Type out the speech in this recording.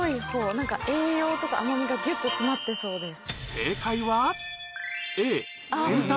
何か栄養とか甘みがぎゅっと詰まってそうです。